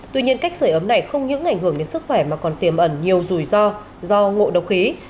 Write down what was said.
tuy nhiên cách sửa ấm này không những ảnh hưởng đến sức khỏe mà còn tiềm ẩn nhiều rủi ro do ngộ độc khí